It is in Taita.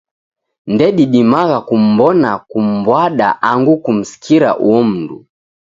Ndedidimagha kum'mbona, kum'mbwada, angu kumsikira uo mndu.